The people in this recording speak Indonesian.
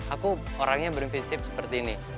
aku orangnya berprinsip seperti ini